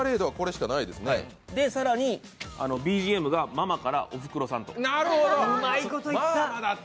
更に、ＢＧＭがママから「おふくろさん」と。